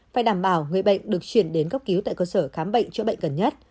phải đảm bảo người bệnh được chuyển đến cấp cứu tại cơ sở khám bệnh chữa bệnh gần nhất